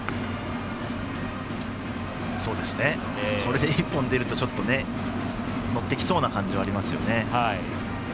これで１本出ると乗ってきそうな感じはありますよね。